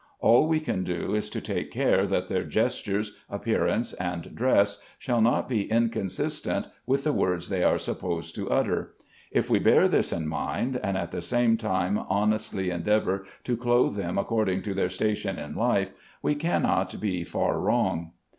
All we can do is to take care that their gestures, appearance, and dress, shall not be inconsistent with the words they are supposed to utter. If we bear this in mind, and at the same time honestly endeavor to clothe them according to their station in life, we cannot be far wrong.